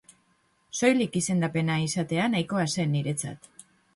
Soilik izendapena izatea nahikoa zen niretzat.